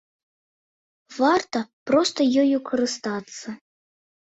Варта проста ёю карыстацца.